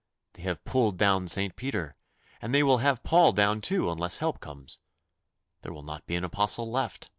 They have pulled down Saint Peter, and they will have Paul down too unless help comes. There will not be an apostle left.